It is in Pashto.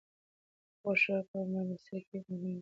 غوښه په میلمستیاوو کې مهم ځای لري.